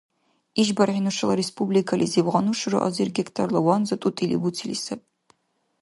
ИшбархӀи нушала республикализиб гъану шура азир гектарла ванза тӀутӀили буцили саби.